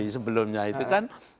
sebelumnya itu kan